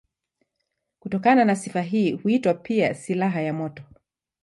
Kutokana na sifa hii huitwa pia silaha ya moto.